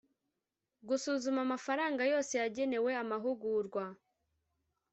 gusuzuma amafaranga yose yagenewe amahugurwa